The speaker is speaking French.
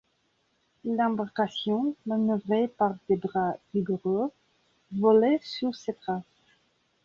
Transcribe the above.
L’embarcation, manœuvrée par des bras vigoureux, volait sur ses traces.